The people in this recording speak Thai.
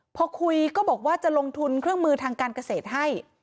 พอคุยก็บอกว่าจะลงทุนเครื่องมือทางการเกษตรให้